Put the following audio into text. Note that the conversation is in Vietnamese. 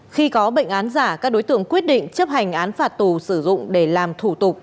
khi có bệnh án giả các đối tượng quyết định chấp hành án phạt tù sử dụng để làm thủ tục